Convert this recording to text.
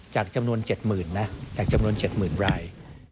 จากจำนวน๗๐๐นะจากจำนวน๗๐๐ราย